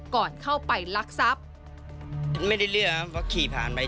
ก่อนเข้าไปลักทรัพย์